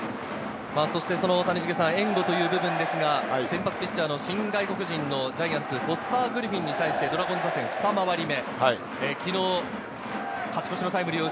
援護という部分ですが、先発ピッチャーの新外国人のジャイアンツ、フォスター・グリフィンに対してドラゴンズ打線、２回り目。